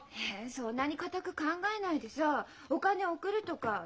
そんなに堅く考えないでさお金送るとかできないの？